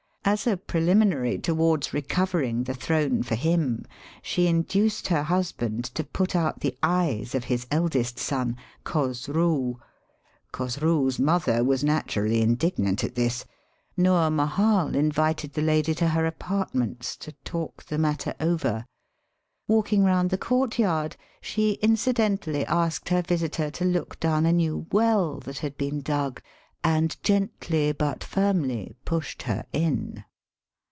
As a preliminary towards recovering the throne for him, she induced her hushand to put out the eyes of his eldest son, Khosroo. Khosroo's mother was naturally indignant at this. Noor Mahal invited the lady to her apartments to talk the matter over. Walking round the courtyard she incidentally asked her visitor to look down a new well that had been dug, and gently but firmly pushed her in.